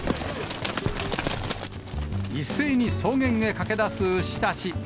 一斉に草原へ駆け出す牛たち。